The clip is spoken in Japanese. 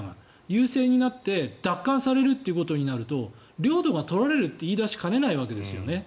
優勢になって奪還されるということになると領土が取られると言い出しかねないわけですよね。